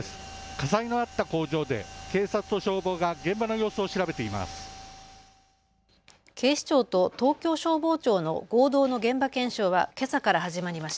火災のあった工場で警察と消防が現場の様子を調べています。